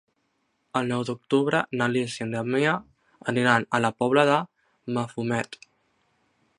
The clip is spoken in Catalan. El nou d'octubre na Lis i en Damià aniran a la Pobla de Mafumet.